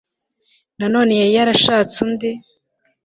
nanone yari yarashatse undi